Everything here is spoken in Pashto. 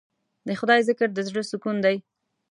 د خدای ذکر د زړه سکون دی.